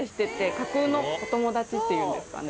架空のお友達っていうんですかね。